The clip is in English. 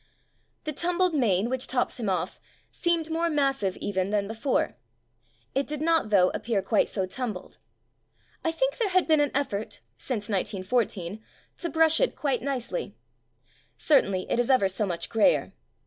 The tumbled mane which tops him off seemed more massive even than be fore. It did not, though, appear quite so tumbled. I think there had been an effort (since 1914) to brush it quite nicely. Certainly it is ever so much greyer.